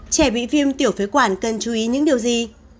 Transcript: trẻ bị viêm tiểu phế quản cần chú ý những điều gì